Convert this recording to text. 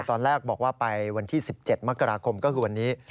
ตอนแรกบอกว่าไปวันที่๑๗มกราคมก็คือวันนี้